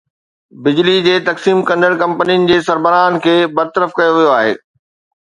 بجلي جي تقسيم ڪندڙ ڪمپنين جي سربراهن کي برطرف ڪيو ويو آهي